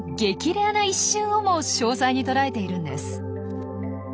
レアな一瞬をも詳細に捉えているんです。